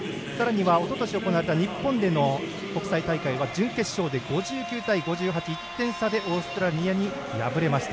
おととし、日本で行われた国際大会では準決勝で５９対５８１点差でオーストラリアに敗れました。